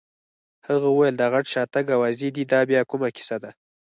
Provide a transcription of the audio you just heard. هغه وویل: د غټ شاتګ اوازې دي، دا بیا کومه کیسه ده؟